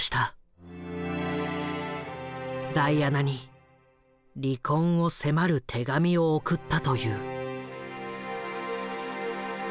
ダイアナに離婚を迫る手紙を送ったという。